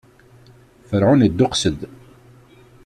Ferɛun idduqes-d.